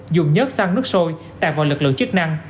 dùng nhớt xăng nước sôi tạp vào lực lượng chức năng